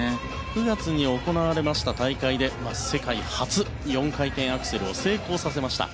９月に行われました大会で世界初４回転アクセルを成功させました。